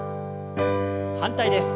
反対です。